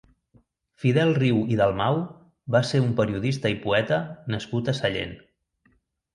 Fidel Riu i Dalmau va ser un periodista i poeta nascut a Sallent.